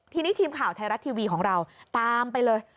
ทีนี้ทีมข่าวไทยรัฐทีวีของเราตามไปเลย